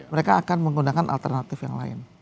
mereka akan menggunakan alternatif yang lain